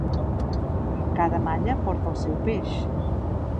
Cada malla porta el seu peix.